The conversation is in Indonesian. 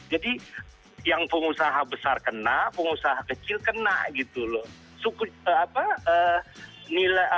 jadi yang pengusaha besar kena pengusaha kecil kena gitu loh